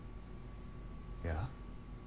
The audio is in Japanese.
いや。